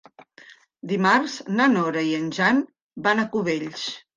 Dimarts na Nora i en Jan van a Cubells.